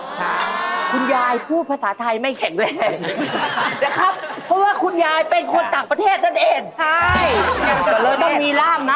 ต้องสายบาทได้ไปไหนแต่พี่น้องกันก็อยู่ในคลิกภาพที่ต่อไป